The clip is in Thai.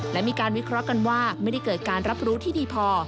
และมีการวิเคราะห์กันว่าไม่ได้เกิดการรับรู้ที่ดีพอ